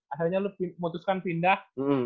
akhirnya lu memutuskan pindah